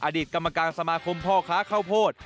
อดีตกรรมการสมาคมพ่อค้าข้าวโพด